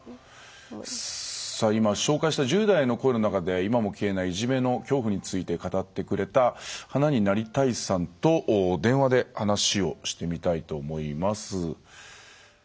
今紹介した１０代の声の中で今も消えないいじめの恐怖について語ってくれた花になりたいさんと電話で話をしてみたいと思います。